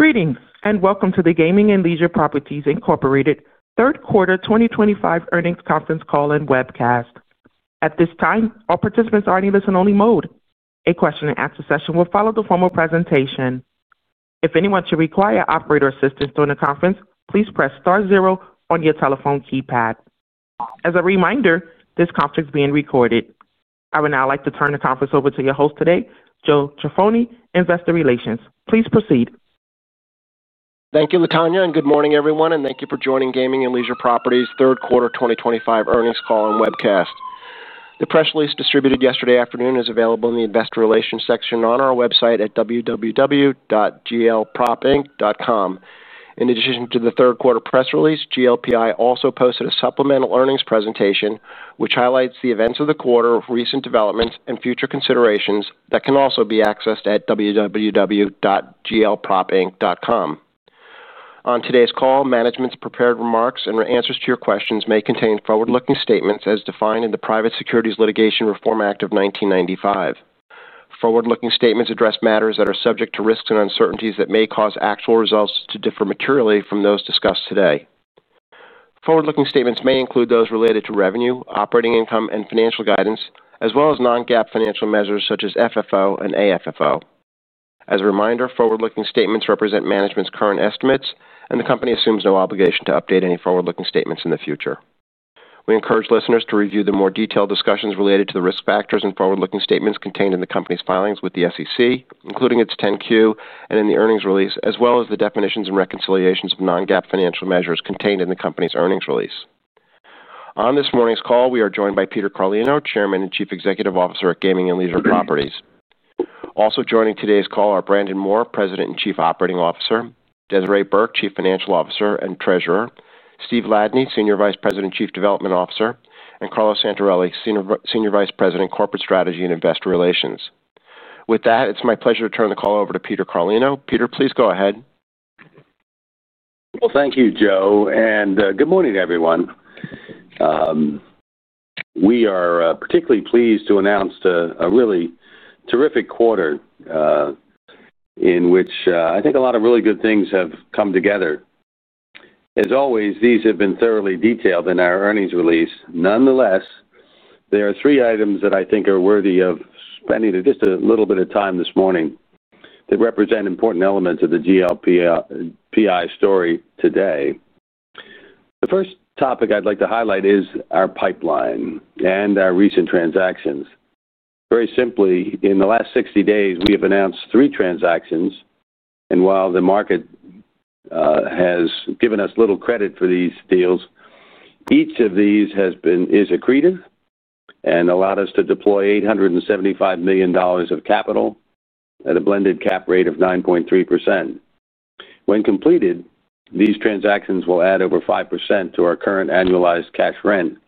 Greetings and welcome to the Gaming and Leisure Properties Incorporated Third Quarter 2025 Earnings Conference Call and Webcast. At this time, all participants are in listen-only mode. A question-and-answer session will follow the formal presentation. If anyone should require operator assistance during the conference, please press star zero on your telephone keypad. As a reminder, this conference is being recorded. I would now like to turn the conference over to your host today, Joe Jaffoni, Investor Relations. Please proceed. Thank you, Latonya. Good morning, everyone. Thank you for joining Gaming and Leisure Properties Third Quarter 2025 Earnings Call and Webcast. The press release distributed yesterday afternoon is available in the Investor Relations section on our website at www.glpropinc.com. In addition to the third quarter press release, GLPI also posted a supplemental earnings presentation which highlights the events of the quarter, recent developments, and future considerations that can also be accessed at www.glpropinc.com. On today's call, management's prepared remarks and answers to your questions may contain forward-looking statements as defined in the Private Securities Litigation Reform Act of 1995. Forward-looking statements address matters that are subject to risks and uncertainties that may cause actual results to differ materially from those discussed today. Forward-looking statements may include those related to revenue, operating income, and financial guidance, as well as non-GAAP financial measures such as FFO ad AFFO. As a reminder, forward-looking statements represent management's current estimates, and the company assumes no obligation to update any forward-looking statements in the future. We encourage listeners to review the more detailed discussions related to the risk factors and forward-looking statements contained in the company's filings with the SEC, including its 10-Q and in the earnings release, as well as the definitions and reconciliations of non-GAAP financial measures contained in the company's earnings release. On this morning's call, we are joined by Peter Carlino, Chairman and Chief Executive Officer at Gaming and Leisure Properties. Also joining today's call are Brandon Moore, President and Chief Operating Officer; Desiree Burke, Chief Financial Officer and Treasurer; Steve Ladany, Senior Vice President and Chief Development Officer; and Carlo Santarelli, Senior Vice President, Corporate Strategy and Investor Relations. With that, it's my pleasure to turn the call over to Peter Carlino. Peter, please go ahead. Thank you, Joe. Good morning, everyone. We are particularly pleased to announce a really terrific quarter in which I think a lot of really good things have come together. As always, these have been thoroughly detailed in our earnings release. Nonetheless, there are three items that I think are worthy of spending just a little bit of time this morning that represent important elements of the GLPI story today. The first topic I'd like to highlight is our pipeline and our recent transactions. Very simply, in the last 60 days, we have announced three transactions. While the market has given us little credit for these deals, each of these has been accretive and allowed us to deploy $875 million of capital at a blended cap rate of 9.3%. When completed, these transactions will add over 5% to our current annualized cash rent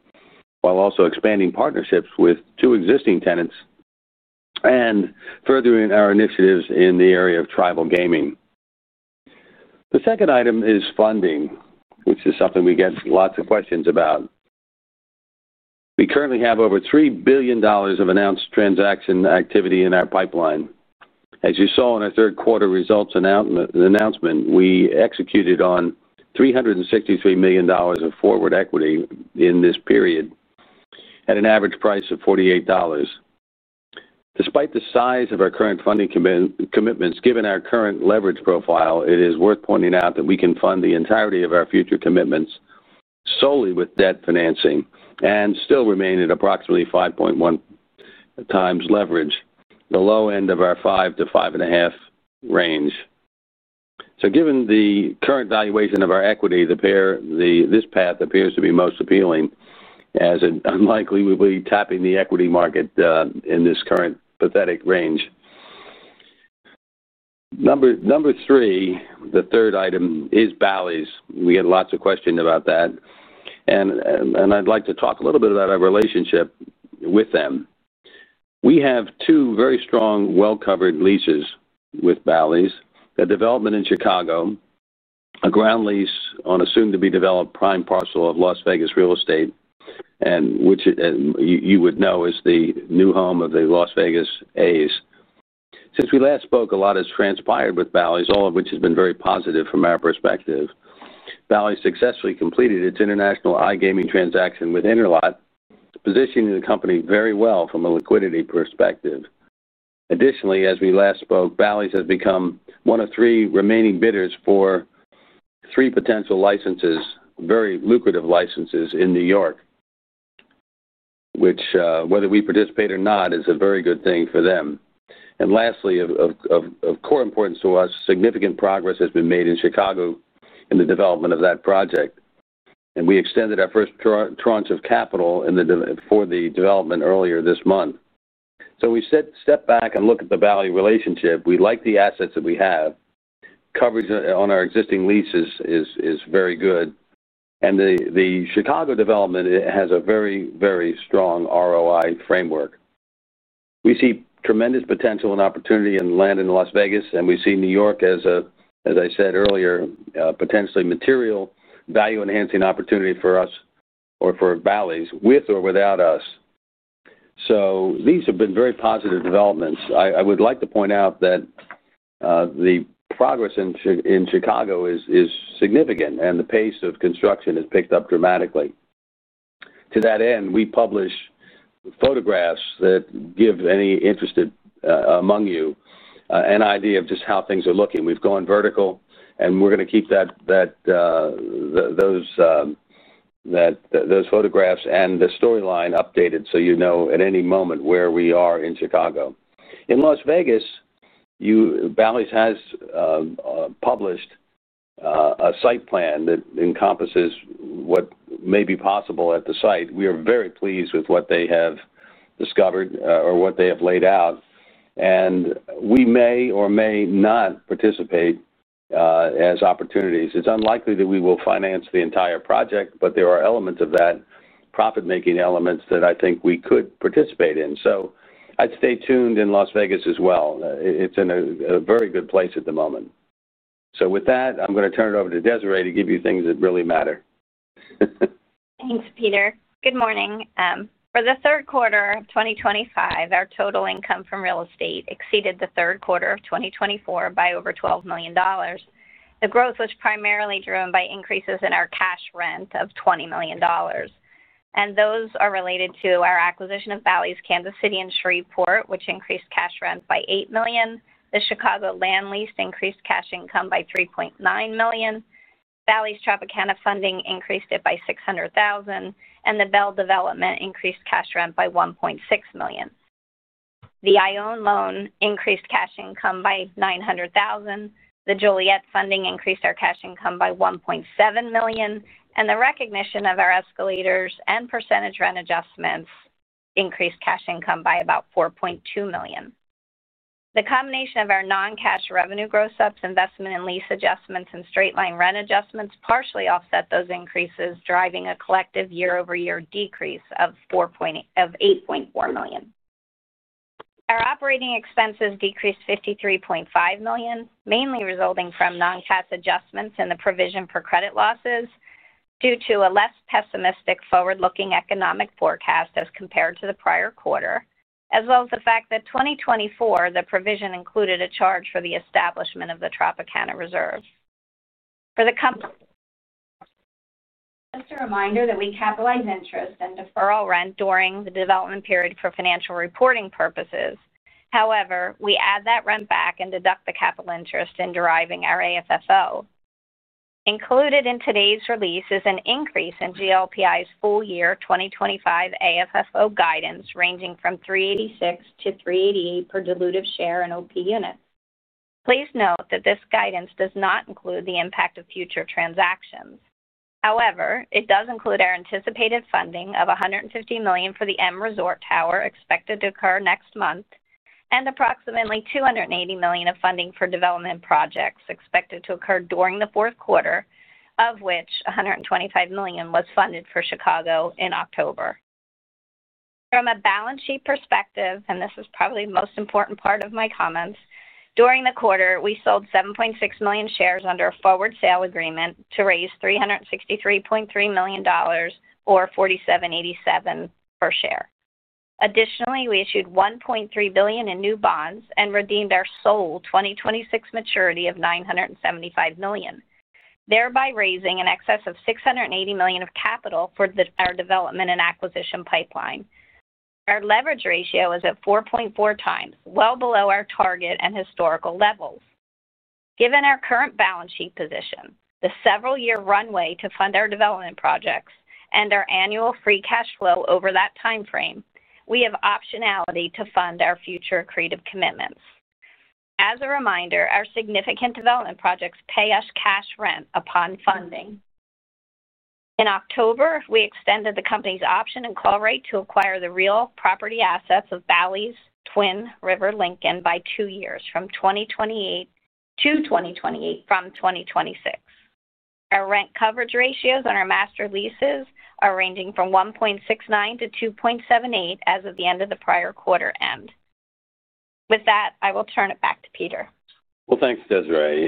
while also expanding partnerships with two existing tenants and furthering our initiatives in the area of tribal gaming. The second item is funding, which is something we get lots of questions about. We currently have over $3 billion of announced transaction activity in our pipeline. As you saw in our third quarter results announcement, we executed on $363 million of forward equity in this period at an average price of $48. Despite the size of our current funding commitments, given our current leverage profile, it is worth pointing out that we can fund the entirety of our future commitments solely with debt financing and still remain at approximately 5.1X leverage, the low end of our five to five and a half range. Given the current valuation of our equity, this path appears to be most appealing as it is unlikely we will be tapping the equity market in this current pathetic range. Number three, the third item is Bally's. We get lots of questions about that, and I'd like to talk a little bit about our relationship with them. We have two very strong, well-covered leases with Bally's: a development in Chicago, a ground lease on a soon-to-be-developed prime parcel of Las Vegas real estate, which you would know is the new home of the Las Vegas A’s. Since we last spoke, a lot has transpired with Bally's, all of which has been very positive from our perspective. Bally's successfully completed its international iGaming transaction with Interlock, positioning the company very well from a liquidity perspective. Additionally, as we last spoke, Bally's has become one of three remaining bidders for three potential licenses, very lucrative licenses in New York. Whether we participate or not, it is a very good thing for them. Lastly, of core importance to us, significant progress has been made in Chicago in the development of that project. We extended our first tranche of capital for the development earlier this month. If we step back and look at the value relationship, we like the assets that we have. Coverage on our existing leases is very good, and the Chicago development has a very, very strong ROI framework. We see tremendous potential and opportunity in land in Las Vegas. We see New York, as I said earlier, as potentially a material value-enhancing opportunity for us or for Bally's with or without us. These have been very positive developments. I would like to point out that the progress in Chicago is significant, and the pace of construction has picked up dramatically. To that end, we publish photographs that give any interested among you an idea of just how things are looking. We've gone vertical, and we're going to keep those photographs and the storyline updated so you know at any moment where we are in Chicago. In Las Vegas, Bally's has published a site plan that encompasses what may be possible at the site. We are very pleased with what they have discovered or what they have laid out, and we may or may not participate as opportunities arise. It is unlikely that we will finance the entire project, but there are elements of that, profit-making elements, that I think we could participate in. Stay tuned in Las Vegas as well. It is in a very good place at the moment. With that, I'm going to turn it over to Desiree to give you things that really matter. Thanks, Peter. Good morning. For the third quarter of 2025, our total income from real estate exceeded the third quarter of 2024 by over $12 million. The growth was primarily driven by increases in our cash rent of $20 million. Those are related to our acquisition of Bally's Kansas City and Shreveport, which increased cash rent by $8 million. The Chicago land lease increased cash income by $3.9 million. Bally's Tropicana funding increased it by $600,000. The Bell Development increased cash rent by $1.6 million. The [Ione]loan increased cash income by $0.9 million. The Joliet funding increased our cash income by $1.7 million. The recognition of our escalators and percentage rent adjustments increased cash income by about $4.2 million. The combination of our non-cash revenue growth subs, investment and lease adjustments, and straight-line rent adjustments partially offset those increases, driving a collective year-over-year decrease of $8.4 million. Our operating expenses decreased $53.5 million, mainly resulting from non-cash adjustments in the provision for credit losses due to a less pessimistic forward-looking economic forecast as compared to the prior quarter, as well as the fact that in 2024, the provision included a charge for the establishment of the Tropicana Reserves for the company. Just a reminder that we capitalize interest and defer all rent during the development period for financial reporting purposes. However, we add that rent back and deduct the capital interest in deriving our AFFO. Included in today's release is an increase in GLPI's full-year 2025 AFFO guidance ranging from $3.86 to $3.88 per diluted share in OP units. Please note that this guidance does not include the impact of future transactions. However, it does include our anticipated funding of $150 million for the M Resort Tower expected to occur next month and approximately $280 million of funding for development projects expected to occur during the fourth quarter, of which $125 million was funded for Chicago in October. From a balance sheet perspective, and this is probably the most important part of my comments, during the quarter, we sold 7.6 million shares under a forward sale agreement to raise $363.3 million, or $47.87 per share. Additionally, we issued $1.3 billion in new bonds and redeemed our sold 2026 maturity of $975 million, thereby raising in excess of $680 million of capital for our development and acquisition pipeline. Our leverage ratio is at 4.4X, well below our target and historical levels. Given our current balance sheet position, the several-year runway to fund our development projects, and our annual free cash flow over that timeframe, we have optionality to fund our future accretive commitments. As a reminder, our significant development projects pay us cash rent upon funding. In October, we extended the company's option and call right to acquire the real property assets of Bally's Twin River Lincoln by two years to 2028 from 2026. Our rent coverage ratios on our master leases are ranging from 1.69 to 2.78 as of the end of the prior quarter end. With that, I will turn it back to Peter. Thanks, Desiree.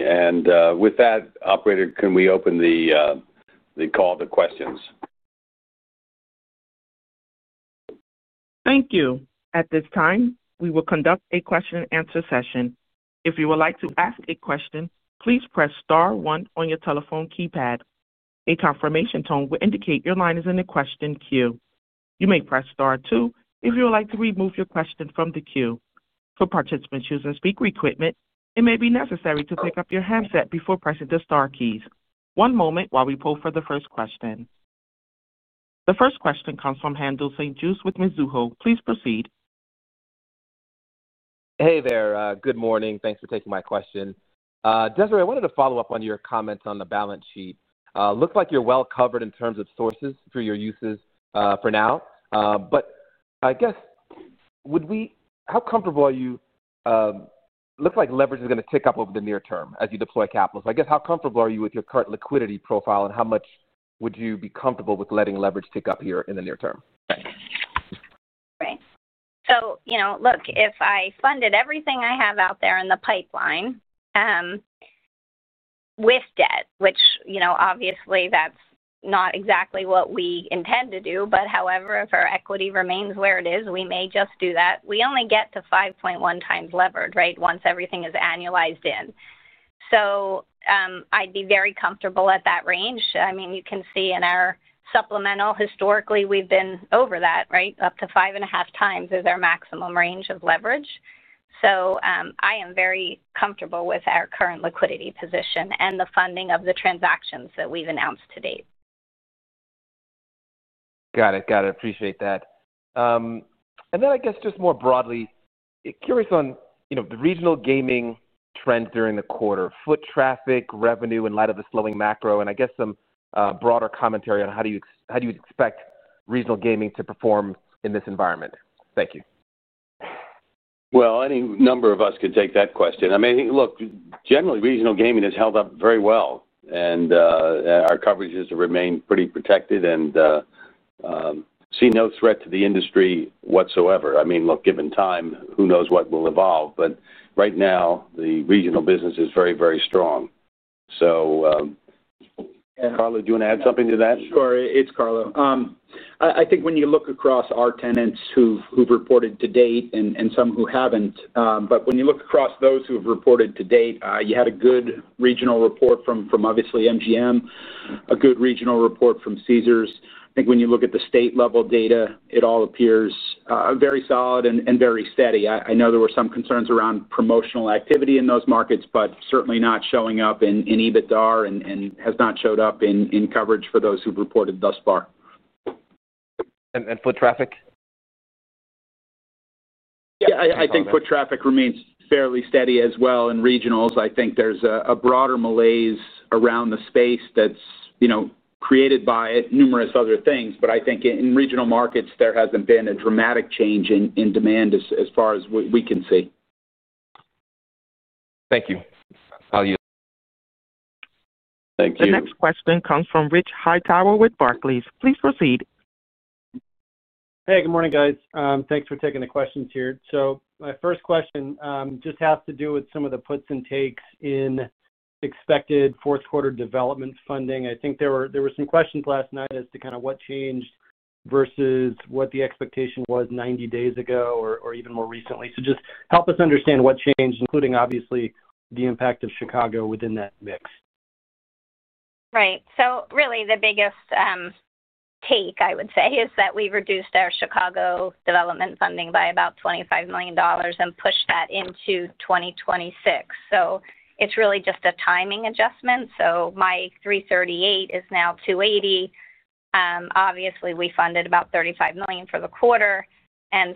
With that, operator, can we open the call to questions? Thank you. At this time, we will conduct a question-and-answer session. If you would like to ask a question, please press Star one on your telephone keypad. A confirmation tone will indicate your line is in the question queue. You may press star two if you would like to remove your question from the queue. For participants using speaker equipment, it may be necessary to pick up your handset before pressing the star keys. One moment while we pull for the first question. The first question comes from Haendel St. Juste with Mizuho. Please proceed. Good morning. Thanks for taking my question. Desiree, I wanted to follow up on your comments on the balance sheet. Looks like you're well covered in terms of sources for your uses for now. I guess, how comfortable are you? Looks like leverage is going to tick up over the near term as you deploy capital. How comfortable are you with your current liquidity profile and how much would you be comfortable with letting leverage tick up here in the near term? Right. If I funded everything I have out there in the pipeline with debt, which obviously that's not exactly what we intend to do, however, if our equity remains where it is, we may just do that. We only get to 5.1X leverage once everything is annualized in. I'd be very comfortable at that range. You can see in our supplemental, historically, we've been over that, up to 5.5X is our maximum range of leverage. I am very comfortable with our current liquidity position and the funding of the transactions that we've announced to date. Got it. Got it. Appreciate that. I guess just more broadly, curious on the regional gaming trend during the quarter: foot traffic, revenue in light of the slowing macro, and I guess some broader commentary on how do you expect regional gaming to perform in this environment? Thank you. Any number of us could take that question. I mean, look, generally, regional gaming has held up very well, and our coverage has remained pretty protected. Seen no threat to the industry whatsoever. I mean, look, given time, who knows what will evolve. Right now, the regional business is very, very strong. Carlo, do you want to add something to that? Sure. It's Carlo. I think when you look across our tenants who've reported to date and some who haven't, when you look across those who have reported to date, you had a good regional report from obviously MGM, a good regional report from Caesars. I think when you look at the state-level data, it all appears very solid and very steady. I know there were some concerns around promotional activity in those markets, but certainly not showing up in EBITDA and has not showed up in coverage for those who've reported thus far. And foot traffic? Yeah, I think foot traffic remains fairly steady as well in regional. I think there's a broader malaise around the space that's created by numerous other things. I think in regional markets, there hasn't been a dramatic change in demand as far as we can see. Thank you. Thank you. The next question comes from Rich Hightower with Barclays. Please proceed. Hey, good morning, guys. Thanks for taking the questions here. My first question just has to do with some of the puts and takes in expected fourth-quarter development funding. I think there were some questions last night as to kind of what changed versus what the expectation was 90 days ago or even more recently. Just help us understand what changed, including obviously the impact of Chicago within that mix. Right. The biggest take, I would say, is that we reduced our Chicago development funding by about $25 million and pushed that into 2026. It is really just a timing adjustment. My $338 million is now $280 million. Obviously, we funded about $35 million for the quarter, and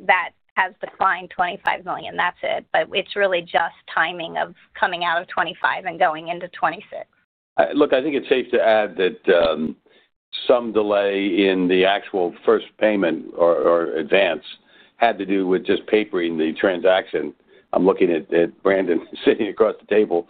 that has declined $25 million. That is it. It is really just timing of coming out of 2025 and going into 2026. I think it's safe to add that some delay in the actual first payment or advance had to do with just papering the transaction. I'm looking at Brandon sitting across the table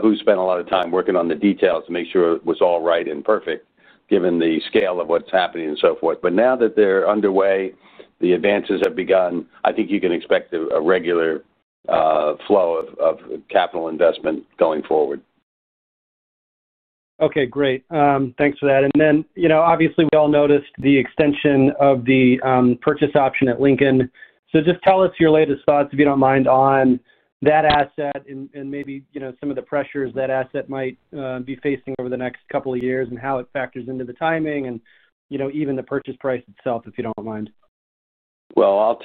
who spent a lot of time working on the details to make sure it was all right and perfect given the scale of what's happening and so forth. Now that they're underway, the advances have begun. I think you can expect a regular flow of capital investment going forward. Okay. Great. Thanks for that. Obviously, we all noticed the extension of the purchase option at Lincoln. Just tell us your latest thoughts, if you don't mind, on that asset and maybe some of the pressures that asset might be facing over the next couple of years and how it factors into the timing and even the purchase price itself, if you don't mind. I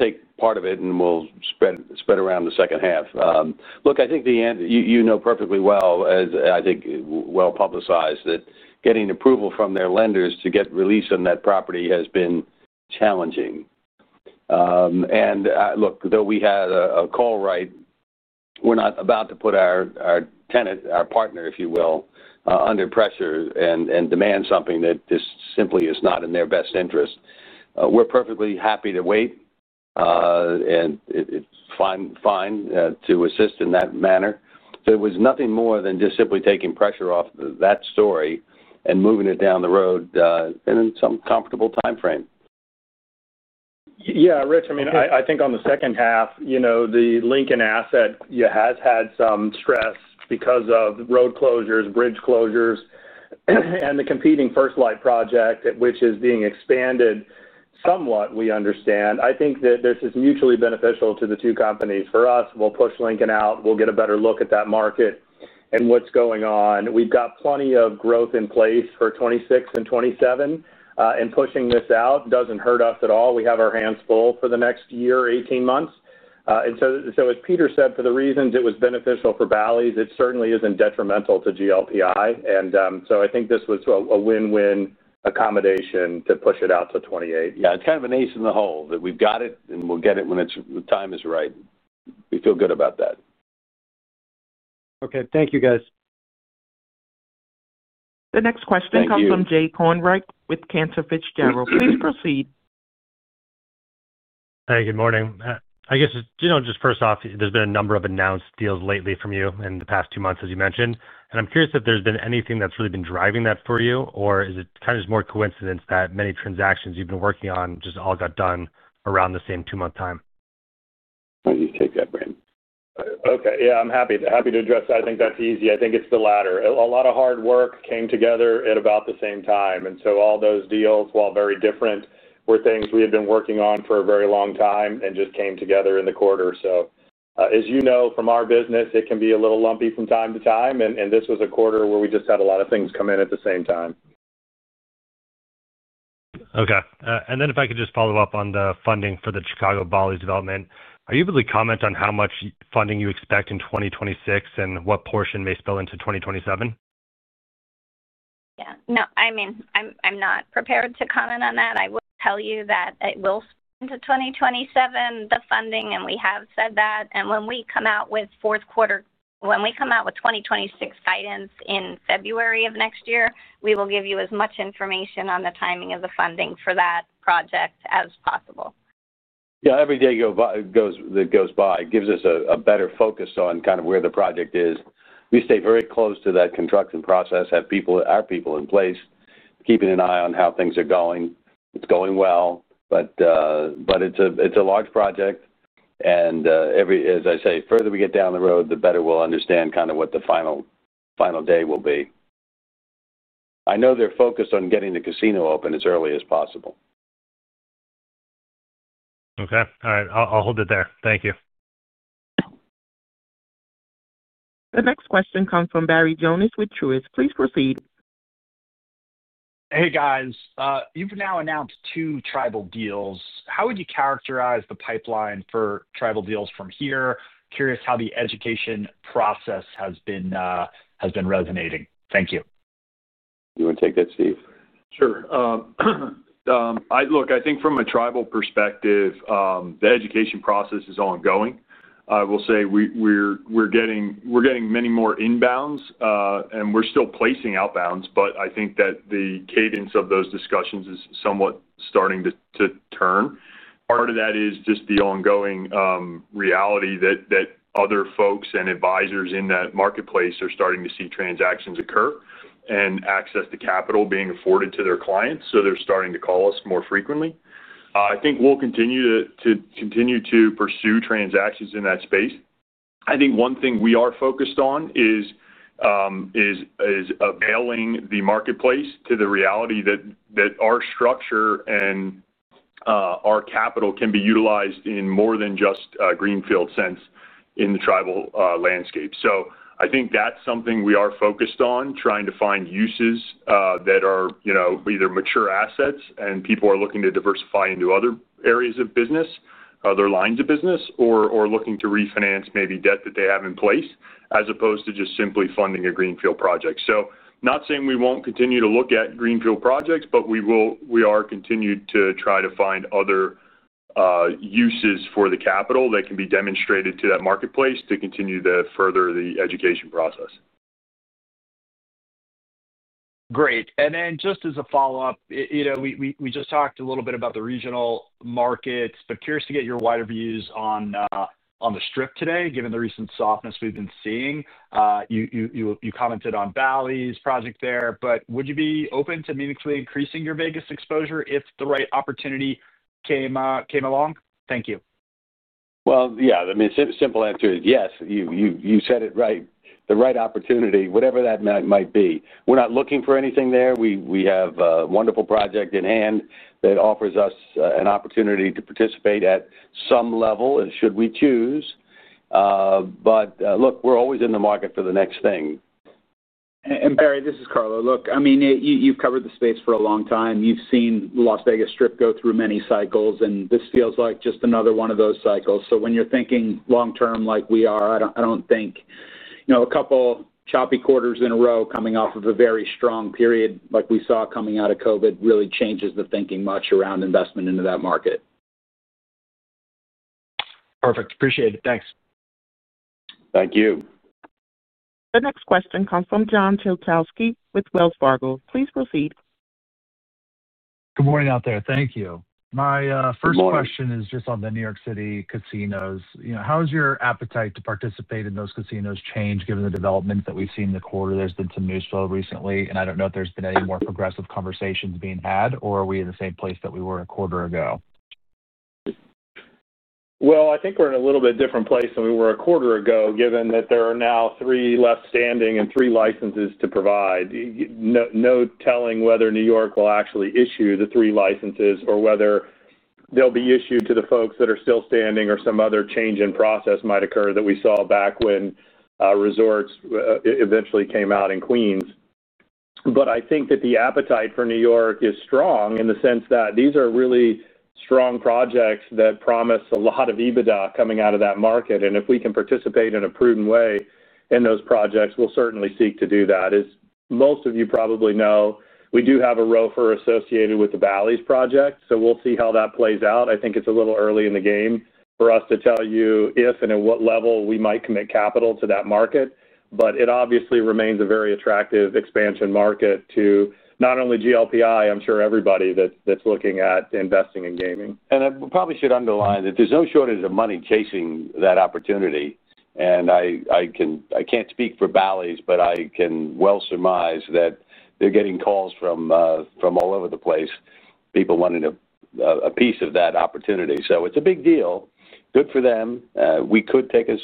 think you know perfectly well, as I think well publicized, that getting approval from their lenders to get release on that property has been challenging. Though we had a call, we're not about to put our tenant, our partner, if you will, under pressure and demand something that just simply is not in their best interest. We're perfectly happy to wait. It's fine to assist in that manner. It was nothing more than just simply taking pressure off that story and moving it down the road in some comfortable timeframe. Yeah, Rich, I mean I think on the second half, the Lincoln asset has had some stress because of road closures, bridge closures, and the competing First Light project, which is being expanded somewhat, we understand. I think that this is mutually beneficial to the two companies. For us, we'll push Lincoln out. We'll get a better look at that market and what's going on. We've got plenty of growth in place for 2026 and 2027. Pushing this out doesn't hurt us at all. We have our hands full for the next year, 18 months. As Peter said, for the reasons it was beneficial for Bally's, it certainly isn't detrimental to GLPI. I think this was a win-win accommodation to push it out to 2028. Yeah. It's kind of an ace in the hole that we've got it, and we'll get it when the time is right. We feel good about that. Okay. Thank you, guys. The next question comes from Jay Kornreich with Cantor Fitzgerald. Please proceed. Hey, good morning. I guess just first off, there's been a number of announced deals lately from you in the past two months, as you mentioned. I'm curious if there's been anything that's really been driving that for you, or is it kind of just more coincidence that many transactions you've been working on just all got done around the same two-month time? Why don't you take that, Brandon? Okay. I'm happy to address that. I think that's easy. I think it's the latter. A lot of hard work came together at about the same time. All those deals, while very different, were things we had been working on for a very long time and just came together in the quarter. As you know, from our business, it can be a little lumpy from time to time. This was a quarter where we just had a lot of things come in at the same time. Okay. If I could just follow up on the funding for the Chicago Bally's development, are you able to comment on how much funding you expect in 2026 and what portion may spill into 2027? Yeah. No, I mean, I'm not prepared to comment on that. I will tell you that it will spill into 2027, the funding, and we have said that. When we come out with fourth quarter, when we come out with 2026 guidance in February of next year, we will give you as much information on the timing of the funding for that project as possible. Yeah. Every day that goes by gives us a better focus on kind of where the project is. We stay very close to that construction process, have our people in place, keeping an eye on how things are going. It's going well. It's a large project. As I say, the further we get down the road, the better we'll understand kind of what the final day will be. I know they're focused on getting the casino open as early as possible. Okay. All right. I'll hold it there. Thank you. The next question comes from Barry Jonas with Truist. Please proceed. Hey, guys. You've now announced two tribal deals. How would you characterize the pipeline for tribal deals from here? Curious how the education process has been resonating. Thank you. You want to take that, Steve? Sure. Look, I think from a tribal perspective, the education process is ongoing. I will say we're getting many more inbounds, and we're still placing outbounds, but I think that the cadence of those discussions is somewhat starting to turn. Part of that is just the ongoing reality that other folks and advisors in that marketplace are starting to see transactions occur and access to capital being afforded to their clients. They're starting to call us more frequently. I think we'll continue to pursue transactions in that space. One thing we are focused on is availing the marketplace to the reality that our structure and our capital can be utilized in more than just a Greenfield sense in the tribal landscape. That's something we are focused on, trying to find uses that are either mature assets and people are looking to diversify into other areas of business, other lines of business, or looking to refinance maybe debt that they have in place as opposed to just simply funding a Greenfield project. Not saying we won't continue to look at Greenfield projects, but we are continuing to try to find other uses for the capital that can be demonstrated to that marketplace to continue to further the education process. Great. Just as a follow-up, we just talked a little bit about the regional markets, but curious to get your wider views on the Strip today, given the recent softness we've been seeing. You commented on Bally's project there, but would you be open to meaningfully increasing your Vegas exposure if the right opportunity came along? Thank you. I mean, the simple answer is yes. You said it right. The right opportunity, whatever that might be. We're not looking for anything there. We have a wonderful project in hand that offers us an opportunity to participate at some level should we choose. Look, we're always in the market for the next thing. Barry, this is Carlo. Look, I mean, you've covered the space for a long time. You've seen the Las Vegas Strip go through many cycles, and this feels like just another one of those cycles. When you're thinking long-term like we are, I don't think a couple of choppy quarters in a row coming off of a very strong period like we saw coming out of COVID really changes the thinking much around investment into that market. Perfect. Appreciate it. Thanks. Thank you. The next question comes from John Kilichowski with Wells Fargo. Please proceed. Good morning out there. Thank you. My first question is just on the New York City casinos. How has your appetite to participate in those casinos changed given the development that we've seen in the quarter? There's been some news flow recently, and I don't know if there's been any more progressive conversations being heard, or are we in the same place that we were a quarter ago? I think we're in a little bit different place than we were a quarter ago, given that there are now three left standing and three licenses to provide. There is no telling whether New York will actually issue the three licenses or whether they'll be issued to the folks that are still standing or some other change in process might occur that we saw back when resorts eventually came out in Queens. I think that the appetite for New York is strong in the sense that these are really strong projects that promise a lot of EBITDA coming out of that market. If we can participate in a prudent way in those projects, we'll certainly seek to do that. As most of you probably know, we do have a ROFR associated with the Bally's project. We'll see how that plays out. I think it's a little early in the game for us to tell you if and at what level we might commit capital to that market. It obviously remains a very attractive expansion market to not only GLPI, I'm sure everybody that's looking at investing in gaming. I probably should underline that there's no shortage of money chasing that opportunity. I can't speak for Bally's, but I can well surmise that they're getting calls from all over the place, people wanting a piece of that opportunity. It's a big deal. Good for them. We could take us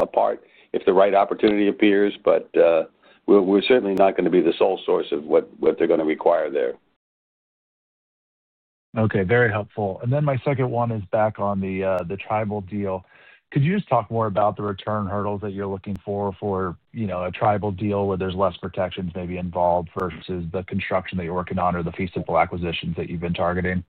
apart if the right opportunity appears, but we're certainly not going to be the sole source of what they're going to require there. Okay. Very helpful. My second one is back on the tribal deal. Could you just talk more about the return hurdles that you're looking for for a tribal deal where there's less protections maybe involved versus the construction that you're working on or the feasible acquisitions that you've been targeting?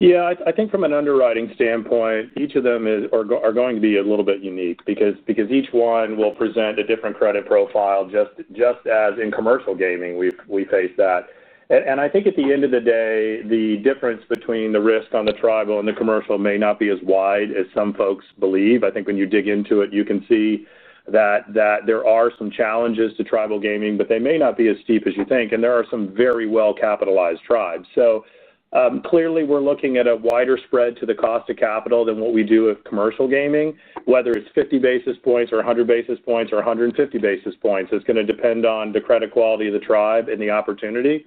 Yeah. I think from an underwriting standpoint, each of them are going to be a little bit unique because each one will present a different credit profile, just as in commercial gaming we face that. I think at the end of the day, the difference between the risk on the tribal and the commercial may not be as wide as some folks believe. I think when you dig into it, you can see that there are some challenges to tribal gaming, but they may not be as steep as you think. There are some very well-capitalized tribes. Clearly, we're looking at a wider spread to the cost of capital than what we do with commercial gaming, whether it's 50 basis points or 100 basis points or 150 basis points. It's going to depend on the credit quality of the tribe and the opportunity.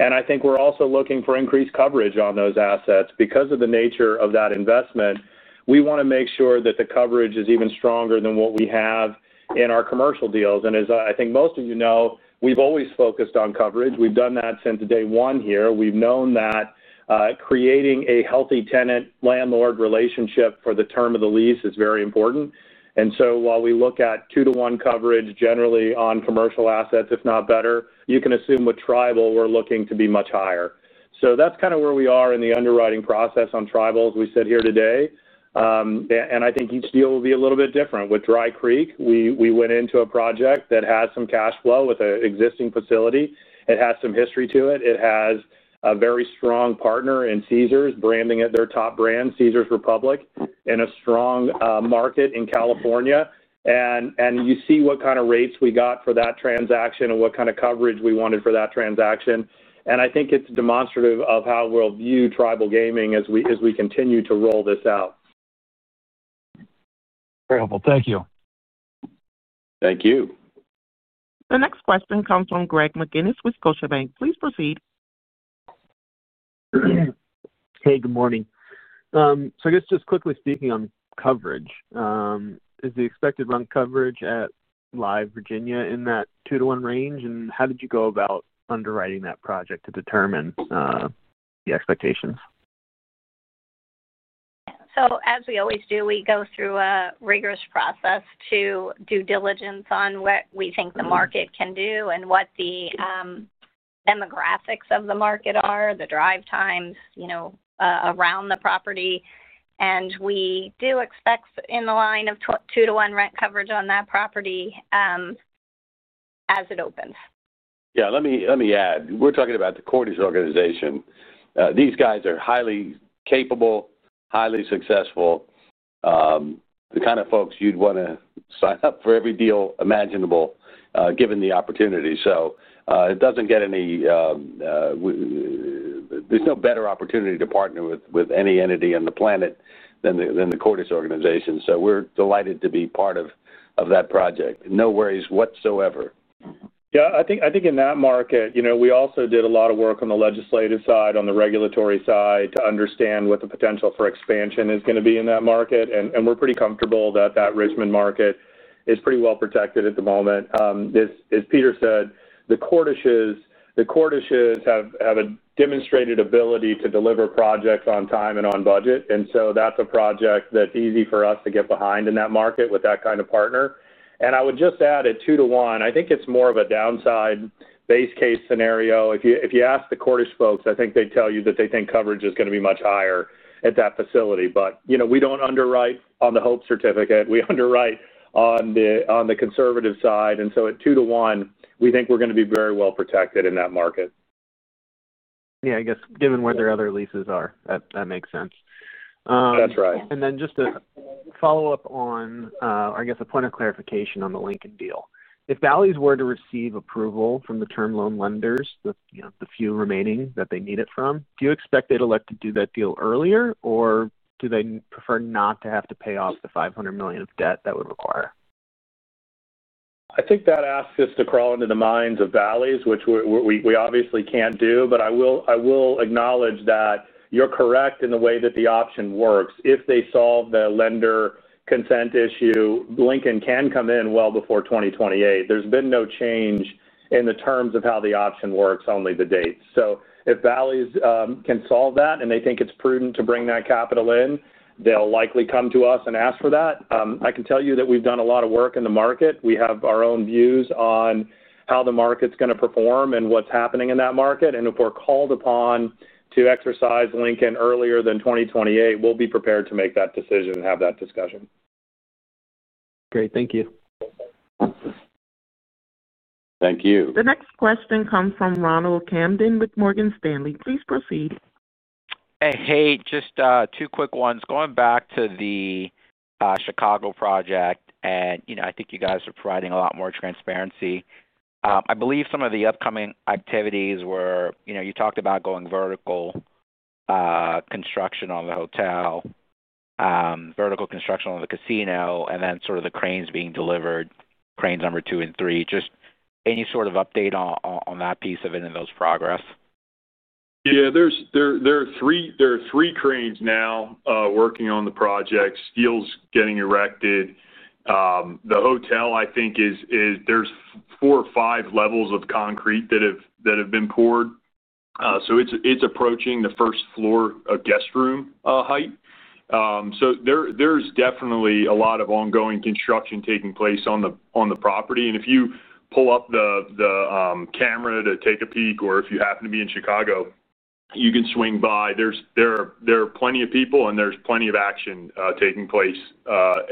I think we're also looking for increased coverage on those assets. Because of the nature of that investment, we want to make sure that the coverage is even stronger than what we have in our commercial deals. As I think most of you know, we've always focused on coverage. We've done that since day one here. We've known that. Creating a healthy tenant-landlord relationship for the term of the lease is very important. While we look at two-to-one coverage generally on commercial assets, if not better, you can assume with tribal, we're looking to be much higher. That's kind of where we are in the underwriting process on tribals we sit here today. I think each deal will be a little bit different. With Dry Creek, we went into a project that has some cash flow with an existing facility. It has some history to it. It has a very strong partner in Caesars, branding it their top brand, Caesars Republic, in a strong market in California. You see what kind of rates we got for that transaction and what kind of coverage we wanted for that transaction. I think it's demonstrative of how we'll view tribal gaming as we continue to roll this out. Very helpful. Thank you. Thank you. The next question comes from Greg McGinnis with Scotiabank. Please proceed. Hey, good morning. I guess just quickly speaking on coverage, is the expected run coverage at Live Virginia in that two-to-one range? How did you go about underwriting that project to determine the expectations? As we always do, we go through a rigorous process to do diligence on what we think the market can do and what the demographics of the market are, the drive times around the property. We do expect in the line of two-to-one rent coverage on that property as it opens. Yeah. Let me add. We're talking about the Cordish organization. These guys are highly capable, highly successful, the kind of folks you'd want to sign up for every deal imaginable given the opportunity. It doesn't get any better. There's no better opportunity to partner with any entity on the planet than the Cordish organization. We're delighted to be part of that project. No worries whatsoever. Yeah. I think in that market, we also did a lot of work on the legislative side, on the regulatory side to understand what the potential for expansion is going to be in that market. We're pretty comfortable that that Richmond market is pretty well protected at the moment. As Peter said, the Cordish's have a demonstrated ability to deliver projects on time and on budget. That's a project that's easy for us to get behind in that market with that kind of partner. I would just add at two-to-one, I think it's more of a downside base case scenario. If you ask the Cordish folks, I think they'd tell you that they think coverage is going to be much higher at that facility. We don't underwrite on the Hope certificate. We underwrite on the conservative side. At two-to-one, we think we're going to be very well protected in that market. Yeah, I guess given where their other leases are, that makes sense. That's right. Just to follow-up on, I guess, a point of clarification on the Lincoln deal. If Bally's were to receive approval from the term loan lenders, the few remaining that they need it from, do you expect they'd elect to do that deal earlier, or do they prefer not to have to pay off the $500 million of debt that would require? I think that asks us to crawl into the minds of Bally's, which we obviously can't do. I will acknowledge that you're correct in the way that the option works. If they solve the lender consent issue, Lincoln can come in well before 2028. There's been no change in the terms of how the option works, only the dates. If Bally's can solve that and they think it's prudent to bring that capital in, they'll likely come to us and ask for that. I can tell you that we've done a lot of work in the market. We have our own views on how the market's going to perform and what's happening in that market. If we're called upon to exercise Lincoln earlier than 2028, we'll be prepared to make that decision and have that discussion. Great. Thank you. Thank you. The next question comes from Ronald Kamdem with Morgan Stanley. Please proceed. Hey, just two quick ones. Going back to the Chicago project, I think you guys are providing a lot more transparency. I believe some of the upcoming activities were you talked about going vertical, construction on the hotel, vertical construction on the casino, and then sort of the cranes being delivered, cranes number two and three. Just any sort of update on that piece of it and those progress? Yeah. There are three cranes now working on the project, steel's getting erected. The hotel, I think, there's four or five levels of concrete that have been poured. It's approaching the first floor guest room height. There's definitely a lot of ongoing construction taking place on the property. If you pull up the camera to take a peek, or if you happen to be in Chicago, you can swing by. There are plenty of people, and there's plenty of action taking place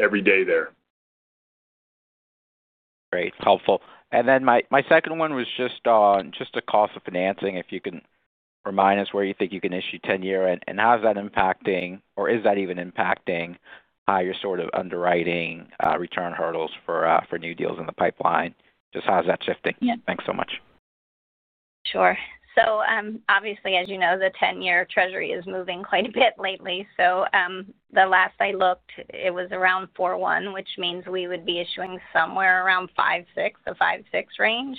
every day there. Great. Helpful. My second one was just the cost of financing, if you can remind us where you think you can issue 10-year, and how is that impacting, or is that even impacting how you're sort of underwriting return hurdles for new deals in the pipeline? Just how is that shifting? Thanks so much. Sure. Obviously, as you know, the 10-year treasury is moving quite a bit lately. The last I looked, it was around 4.1%, which means we would be issuing somewhere around 5.6%, the 5.6% range.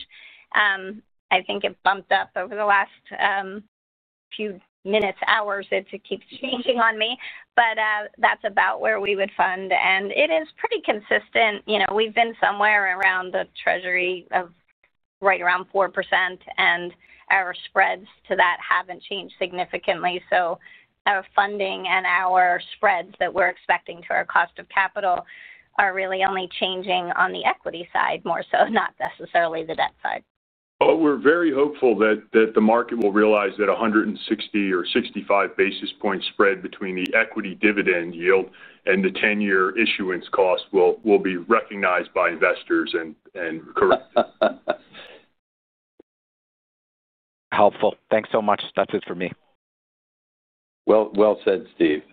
I think it bumped up over the last few minutes, hours. It keeps changing on me. That's about where we would fund, and it is pretty consistent. We've been somewhere around the treasury of right around 4%, and our spreads to that haven't changed significantly. Our funding and our spreads that we're expecting to our cost of capital are really only changing on the equity side more so, not necessarily the debt side. We're very hopeful that the market will realize that 160 or 65 basis points spread between the equity dividend yield and the 10-year issuance cost will be recognized by investors and corrected. Helpful. Thanks so much. That's it for me. Well said, Steve.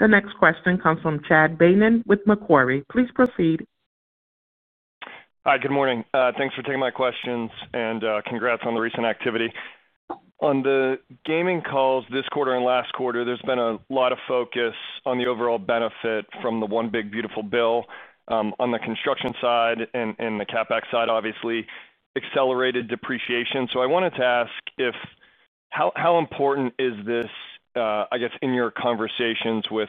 The next question comes from Chad Beynon with Macquarie. Please proceed. Hi, good morning. Thanks for taking my questions, and congrats on the recent activity. On the gaming calls this quarter and last quarter, there's been a lot of focus on the overall benefit from the One Big Beautiful Bill on the construction side and the CapEx side, obviously, accelerated depreciation. I wanted to ask, how important is this in your conversations with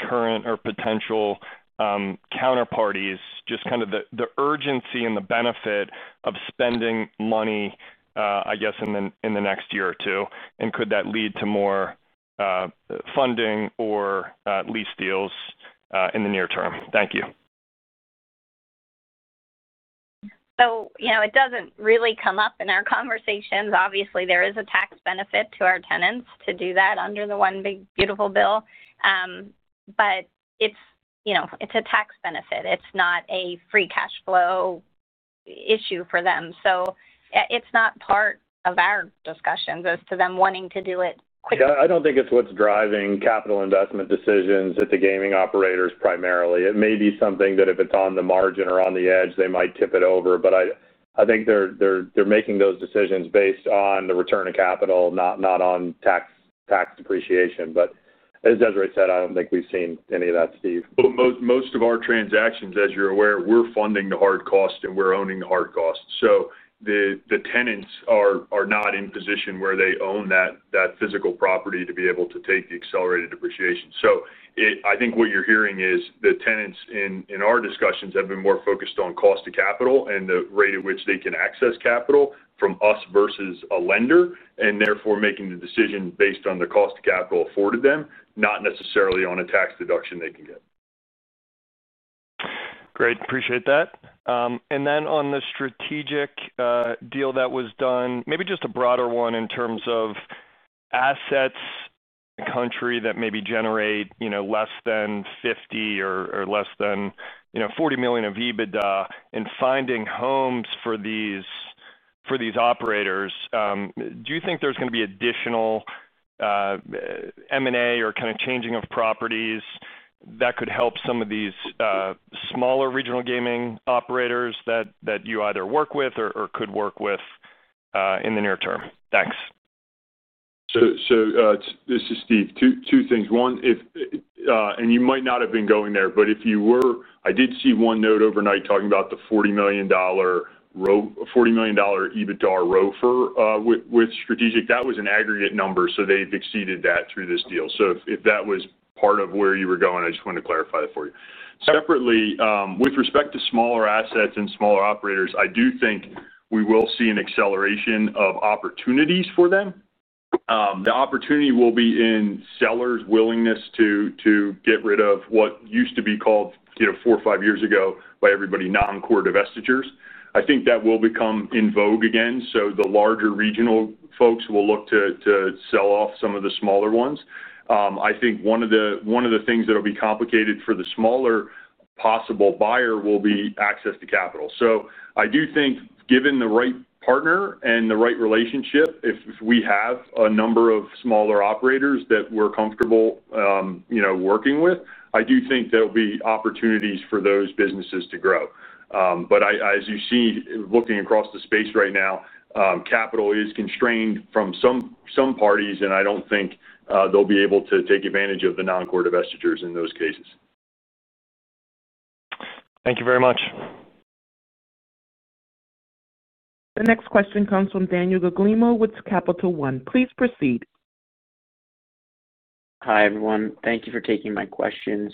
current or potential counterparties, just kind of the urgency and the benefit of spending money in the next year or two? Could that lead to more funding or lease deals in the near term? Thank you. It doesn't really come up in our conversations. Obviously, there is a tax benefit to our tenants to do that under the One Big Beautiful Bill. It's a tax benefit, it's not a free cash flow issue for them, so it's not part of our discussions as to them wanting to do it quickly. I don't think it's what's driving capital investment decisions at the gaming operators primarily. It may be something that if it's on the margin or on the edge, they might tip it over. I think they're making those decisions based on the return of capital, not on tax depreciation. As Desiree said, I don't think we've seen any of that, Steve. Most of our transactions, as you're aware, we're funding the hard cost, and we're owning the hard cost. The tenants are not in a position where they own that physical property to be able to take the accelerated depreciation. I think what you're hearing is the tenants in our discussions have been more focused on cost of capital and the rate at which they can access capital from us versus a lender, and therefore making the decision based on the cost of capital afforded them, not necessarily on a tax deduction they can get. Great, appreciate that. On the strategic deal that was done, maybe just a broader one in terms of assets in the country that maybe generate less than $50 million or less than $40 million of EBITDA and finding homes for these operators, do you think there's going to be additional M&A or kind of changing of properties that could help some of these smaller regional gaming operators that you either work with or could work with in the near term? Thanks. This is Steve. Two things. One, and you might not have been going there, but if you were, I did see one note overnight talking about the $40 million EBITDA ROFR with Strategic. That was an aggregate number, so they've exceeded that through this deal. If that was part of where you were going, I just wanted to clarify that for you. Separately, with respect to smaller assets and smaller operators, I do think we will see an acceleration of opportunities for them. The opportunity will be in sellers' willingness to get rid of what used to be called four or five years ago by everybody non-core divestitures. I think that will become in vogue again. The larger regional folks will look to sell off some of the smaller ones. I think one of the things that will be complicated for the smaller possible buyer will be access to capital. I do think given the right partner and the right relationship, if we have a number of smaller operators that we're comfortable working with, I do think there will be opportunities for those businesses to grow. As you see, looking across the space right now, capital is constrained from some parties, and I don't think they'll be able to take advantage of the non-core divestitures in those cases. Thank you very much. The next question comes from Daniel Guglielmo with Capital One Securities. Please proceed. Hi everyone. Thank you for taking my questions.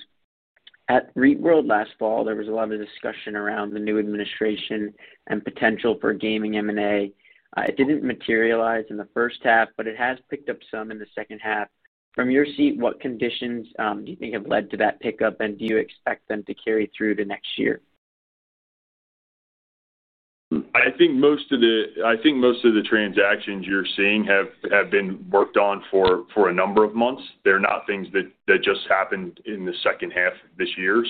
At REIT World last fall, there was a lot of discussion around the new administration and potential for gaming M&A. It didn't materialize in the first half, but it has picked up some in the second half. From your seat, what conditions do you think have led to that pickup, and do you expect them to carry through to next year? I think most of the transactions you're seeing have been worked on for a number of months. They're not things that just happened in the second half of this year.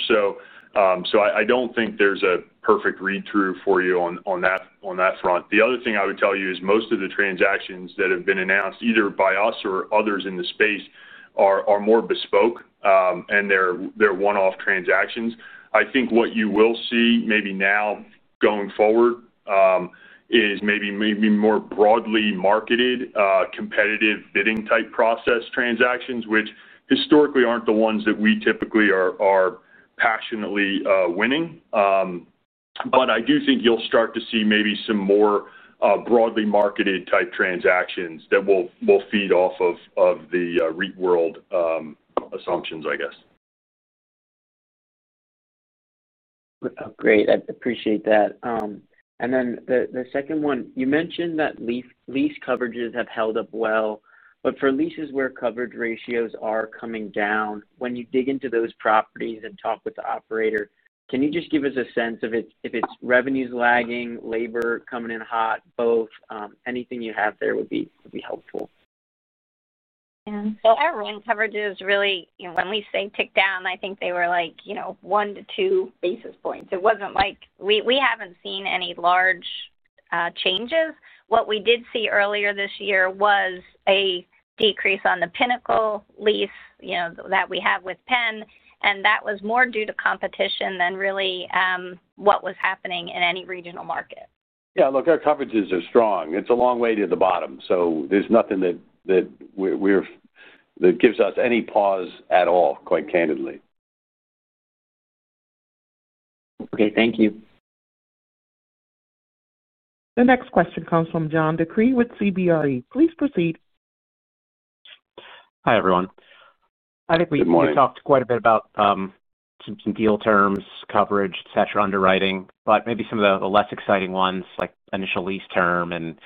I don't think there's a perfect read-through for you on that front. The other thing I would tell you is most of the transactions that have been announced, either by us or others in the space, are more bespoke, and they're one-off transactions. I think what you will see maybe now going forward is maybe more broadly marketed competitive bidding-type process transactions, which historically aren't the ones that we typically are passionately winning. I do think you'll start to see maybe some more broadly marketed type transactions that will feed off of the REIT world assumptions, I guess. Great. I appreciate that. The second one, you mentioned that lease coverages have held up well. For leases where coverage ratios are coming down, when you dig into those properties and talk with the operator, can you just give us a sense of if it's revenues lagging, labor coming in hot, or both? Anything you have there would be helpful. Our loan coverage is really, when we say ticked down, I think they were like one to two basis points. It wasn't like we haven't seen any large changes. What we did see earlier this year was a decrease on the Pinnacle lease that we have with Penn, and that was more due to competition than really what was happening in any regional market. Yeah. Look, our coverages are strong. It's a long way to the bottom, so there's nothing that gives us any pause at all, quite candidly. Okay, thank you. The next question comes from John DeCree with CBRE. Please proceed. Hi everyone. Hi DeCree. Good morning. We talked quite a bit about some deal terms, coverage, etc., underwriting, but maybe some of the less exciting ones like initial lease term and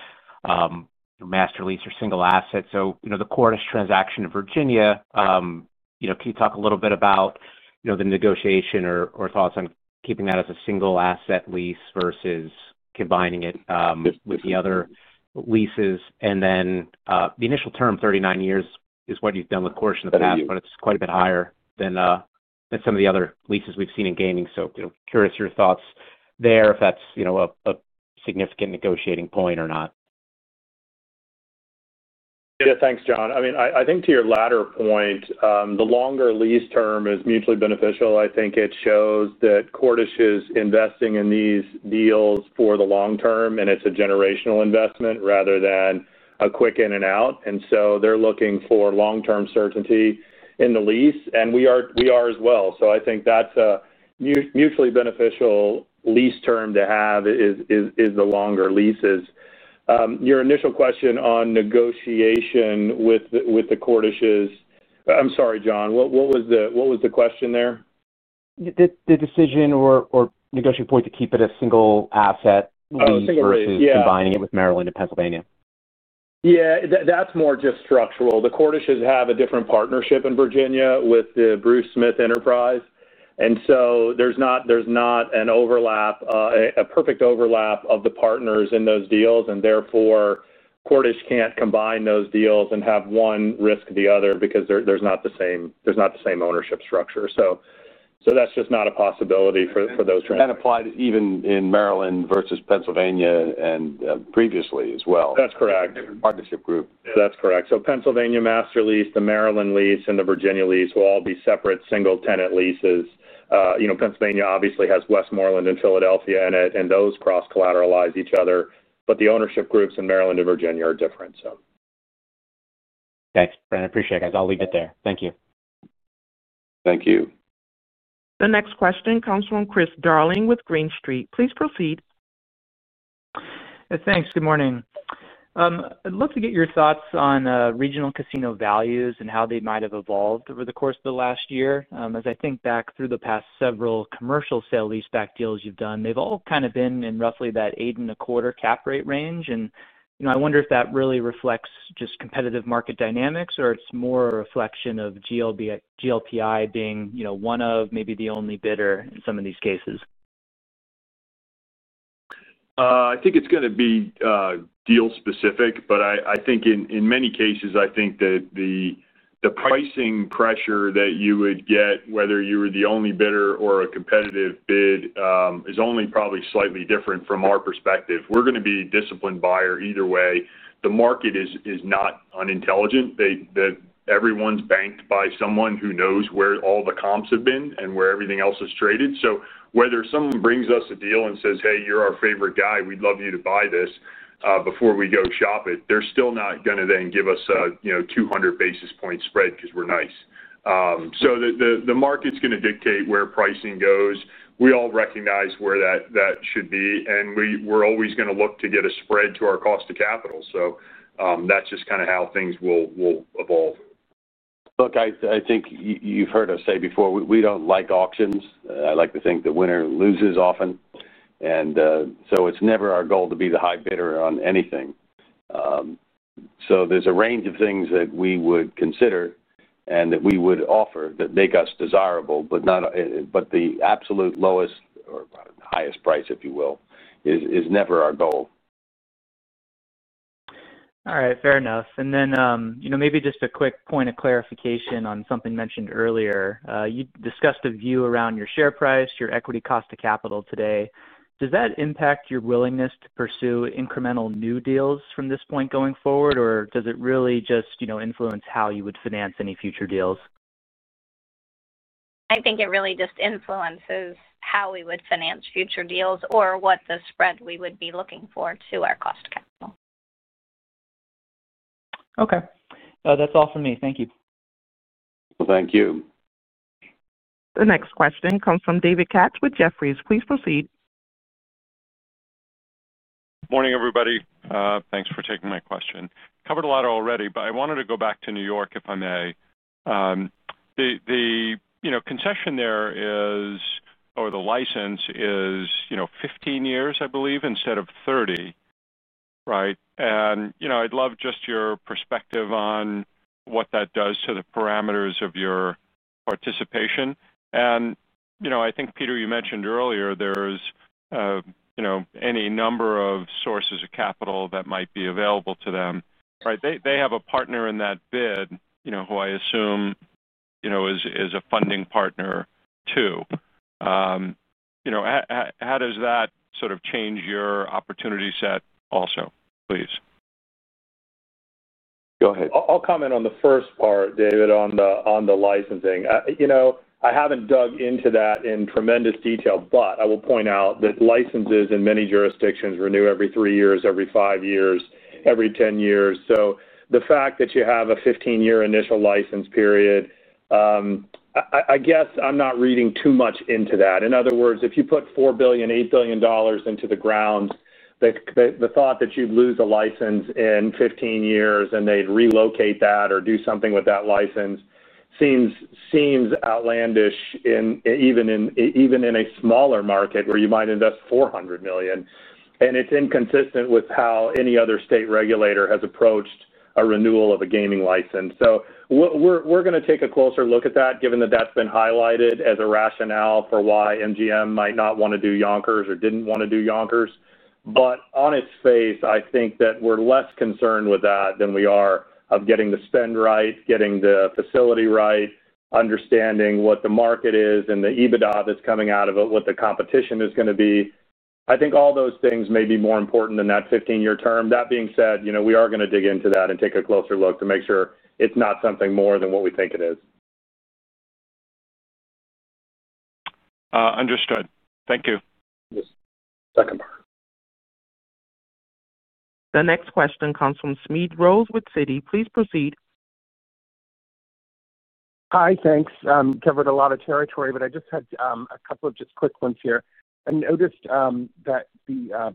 master lease or single asset. The Cordish transaction in Virginia, can you talk a little bit about the negotiation or thoughts on keeping that as a single asset lease versus combining it with the other leases? The initial term, 39 years, is what you've done with Cordish in the past, but it's quite a bit higher than some of the other leases we've seen in gaming. Curious your thoughts there if that's a significant negotiating point or not. Yeah. Thanks, John. I think to your latter point, the longer lease term is mutually beneficial. I think it shows that Cordish's investing in these deals for the long term, and it's a generational investment rather than a quick in and out. They're looking for long-term certainty in the lease, and we are as well. I think that's a mutually beneficial lease term to have, the longer leases. Your initial question on negotiation with the Cordishes—I'm sorry, John, what was the question there? The decision or negotiating point to keep it a single asset lease versus combining it with Maryland and Pennsylvania? Yeah, that's more just structural. The Cordishes have a different partnership in Virginia with the Bruce Smith Enterprise, and there's not a perfect overlap of the partners in those deals. Therefore, Cordish can't combine those deals and have one risk the other because there's not the same ownership structure. That's just not a possibility for those transactions. That applies even in Maryland versus Pennsylvania and previously as well. That's correct. Partnership group. That's correct. Pennsylvania Master Lease, the Maryland Lease, and the Virginia Lease will all be separate single-tenant leases. Pennsylvania obviously has Westmoreland and Philadelphia in it, and those cross-collateralize each other. The ownership groups in Maryland and Virginia are different. Thanks. I appreciate it, guys. I'll leave it there. Thank you. Thank you. The next question comes from Chris Darling with Green Street. Please proceed. Thanks. Good morning. I'd love to get your thoughts on regional casino values and how they might have evolved over the course of the last year. As I think back through the past several commercial sale-leaseback deals you've done, they've all kind of been in roughly that 8.25% cap rate range. I wonder if that really reflects just competitive market dynamics, or it's more a reflection of GLPI being one of maybe the only bidder in some of these cases. I think it's going to be deal-specific, but I think in many cases, the pricing pressure that you would get, whether you were the only bidder or a competitive bid, is only probably slightly different from our perspective. We're going to be a disciplined buyer either way. The market is not unintelligent. Everyone's banked by someone who knows where all the comps have been and where everything else is traded. Whether someone brings us a deal and says, "Hey, you're our favorite guy. We'd love you to buy this before we go shop it," they're still not going to then give us a 200 basis point spread because we're nice. The market's going to dictate where pricing goes. We all recognize where that should be, and we're always going to look to get a spread to our cost of capital. That's just kind of how things will evolve. I think you've heard us say before, we don't like auctions. I like to think the winner loses often. It is never our goal to be the high bidder on anything. There is a range of things that we would consider and that we would offer that make us desirable, but the absolute lowest or highest price, if you will, is never our goal. All right. Fair enough. Maybe just a quick point of clarification on something mentioned earlier. You discussed a view around your share price, your equity cost of capital today. Does that impact your willingness to pursue incremental new deals from this point going forward, or does it really just influence how you would finance any future deals? I think it really just influences how we would finance future deals or what thespread we would be looking for to our cost of capital. Okay. That's all from me. Thank you. Thank you. The next question comes from David Katz with Jefferies. Please proceed. Morning, everybody. Thanks for taking my question. Covered a lot already, but I wanted to go back to New York, if I may. The concession there is, or the license is 15 years, I believe, instead of 30, right? I'd love just your perspective on what that does to the parameters of your participation. I think, Peter, you mentioned earlier there's any number of sources of capital that might be available to them, right? They have a partner in that bid who I assume is a funding partner too. How does that sort of change your opportunity set also, please? Go ahead. I'll comment on the first part, David, on the licensing. I haven't dug into that in tremendous detail, but I will point out that licenses in many jurisdictions renew every three years, every five years, every ten years. The fact that you have a 15-year initial license period, I guess I'm not reading too much into that. In other words, if you put $4 billion, $8 billion into the ground, the thought that you'd lose a license in 15 years and they'd relocate that or do something with that license seems outlandish even in a smaller market where you might invest $400 million. It's inconsistent with how any other state regulator has approached a renewal of a gaming license. We're going to take a closer look at that, given that that's been highlighted as a rationale for why MGM might not want to do Yonkers or didn't want to do Yonkers. On its face, I think that we're less concerned with that than we are of getting the spend right, getting the facility right, understanding what the market is and the EBITDA that's coming out of it, what the competition is going to be. I think all those things may be more important than that 15-year term. That being said, we are going to dig into that and take a closer look to make sure it's not something more than what we think it is. Understood. Thank you. Second that. The next question comes from Smedes Rose with Citi. Please proceed. Hi. Thanks. Covered a lot of territory, but I just had a couple of quick ones here. I noticed that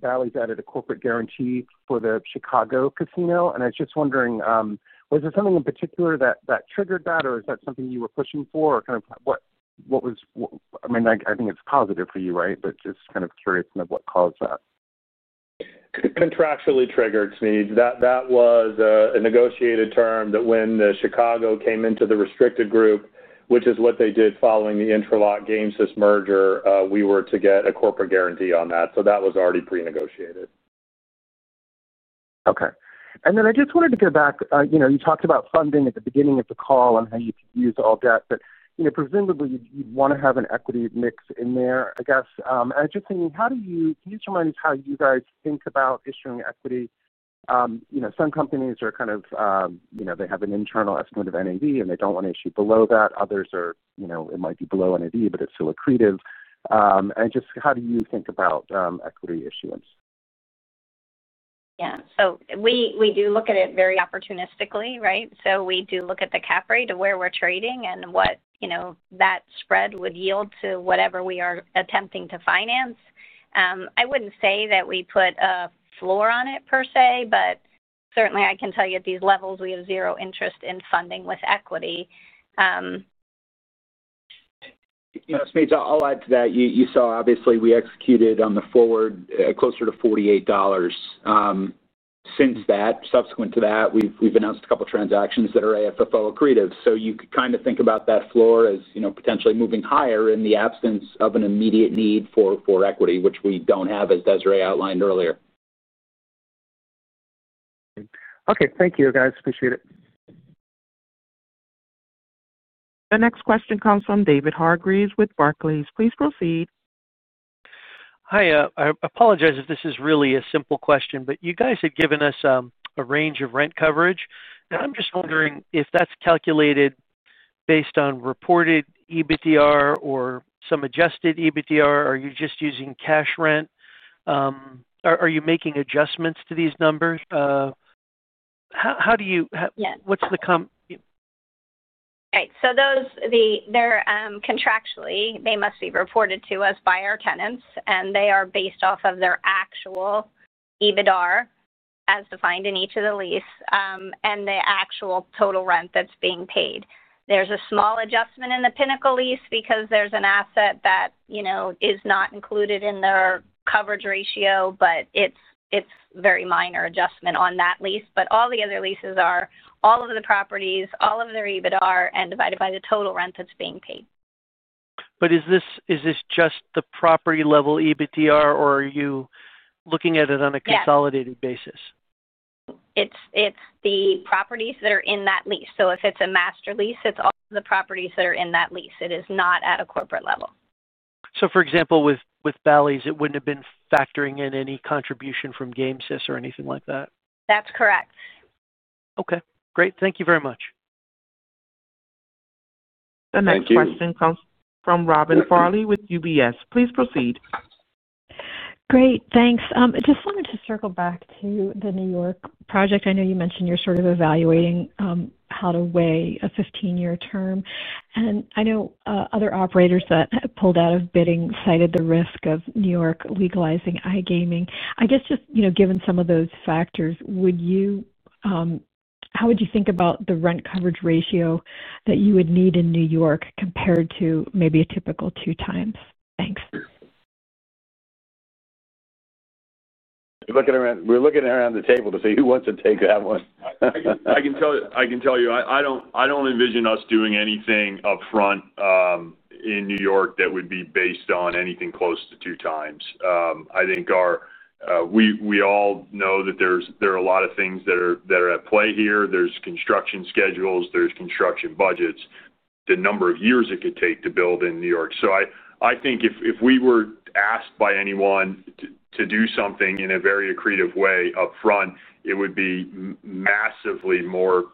Bally's added a corporate guarantee for the Chicago casino. I was just wondering, was there something in particular that triggered that, or is that something you were pushing for, or what was—I mean, I think it's positive for you, right? Just kind of curious about what caused that. Contractually triggered, Smedes. That was a negotiated term that when Chicago came into the restricted group, which is what they did following the Interlock Games merger, we were to get a corporate guarantee on that. That was already pre-negotiated. Okay. I just wanted to go back. You talked about funding at the beginning of the call and how you could use all that, but presumably you'd want to have an equity mix in there, I guess. I was just thinking, can you just remind us how you guys think about issuing equity? Some companies have an internal estimate of NAZ, and they don't want to issue below that. Others, it might be below NAZ, but it's still accretive. Just how do you think about equity issuance? Yeah. We do look at it very opportunistically, right? We do look at the cap rate of where we're trading and what that spread would yield to whatever we are attempting to finance. I wouldn't say that we put a floor on it, per se, but certainly I can tell you at these levels, we have zero interest in funding with equity. Smedes, I'll add to that. You saw, obviously, we executed on the forward closer to $48. Since that, subsequent to that, we've announced a couple of transactions that are AFFO accretive. You could kind of think about that floor as potentially moving higher in the absence of an immediate need for equity, which we don't have, as Desiree outlined earlier. Okay. Thank you, guys. Appreciate it. The next question comes from David Hargreaves with Barclays. Please proceed. Hi. I apologize if this is really a simple question, but you guys had given us a range of rent coverage. I'm just wondering if that's calculated based on reported EBITDA or some adjusted EBITDA, or are you just using cash rent? Are you making adjustments to these numbers? How do you—what's the— Right. Contractually, they must be reported to us by our tenants, and they are based off of their actual EBITDA as defined in each of the leases and the actual total rent that's being paid. There's a small adjustment in the Pinnacle lease because there's an asset that is not included in their coverage ratio, but it's a very minor adjustment on that lease. All the other leases are all of the properties, all of their EBITDA, and divided by the total rent that's being paid. Is this just the property-level EBITDA, or are you looking at it on a consolidated basis? It's the properties that are in that lease. If it's a master lease, it's all the properties that are in that lease. It is not at a corporate level. For example, with Bally's, it wouldn't have been factoring in any contribution from Games or anything like that? That's correct. Okay. Great. Thank you very much. The next question comes from Robin Farley with UBS. Please proceed. Great. Thanks. I just wanted to circle back to the New York project. I know you mentioned you're sort of evaluating how to weigh a 15-year term. I know other operators that pulled out of bidding cited the risk of New York legalizing iGaming. I guess just given some of those factors, how would you think about the rent coverage ratio that you would need in New York compared to maybe a typical 2x? Thanks. We're looking around the table to see who wants to take that one. I can tell you, I don't envision us doing anything upfront. In New York that would be based on anything close to two times. I think we all know that there are a lot of things that are at play here. There's construction schedules, construction budgets, the number of years it could take to build in New York. If we were asked by anyone to do something in a very accretive way upfront, it would be massively more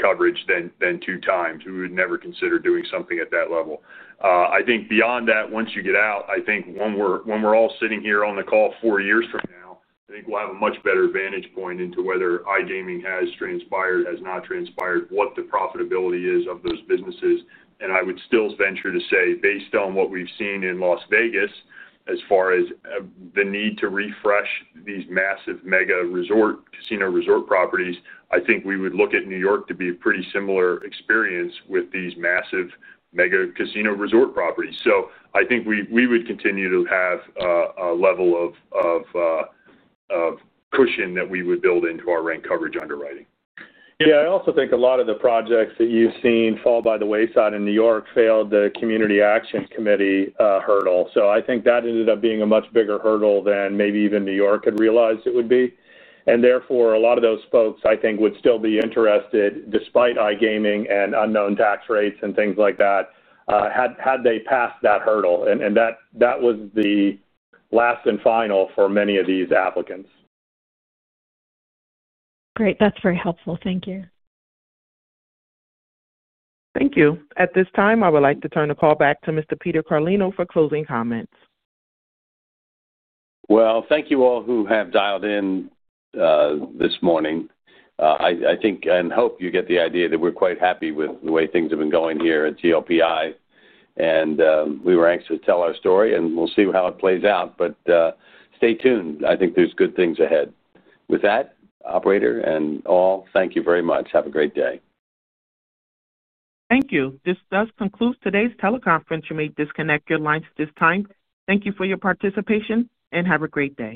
coverage than two times. We would never consider doing something at that level. Beyond that, once you get out, I think when we're all sitting here on the call four years from now, we'll have a much better vantage point into whether iGaming has transpired, has not transpired, what the profitability is of those businesses. I would still venture to say, based on what we've seen in Las Vegas, as far as the need to refresh these massive mega casino resort properties, I think we would look at New York to be a pretty similar experience with these massive mega casino resort properties. I think we would continue to have a level of cushion that we would build into our rent coverage underwriting. Yeah. I also think a lot of the projects that you've seen fall by the wayside in New York failed the Community Action Committee hurdle. I think that ended up being a much bigger hurdle than maybe even New York had realized it would be. Therefore, a lot of those folks, I think, would still be interested despite iGaming and unknown tax rates and things like that, had they passed that hurdle. That was the last and final for many of these applicants. Great. That's very helpful. Thank you. Thank you. At this time, I would like to turn the call back to Mr. Peter Carlino for closing comments. Thank you all who have dialed in this morning. I think and hope you get the idea that we're quite happy with the way things have been going here at GLPI. We were anxious to tell our story, and we'll see how it plays out. Stay tuned. I think there's good things ahead. With that, operator and all, thank you very much. Have a great day. Thank you. This does conclude today's teleconference. You may disconnect your lines at this time. Thank you for your participation and have a great day.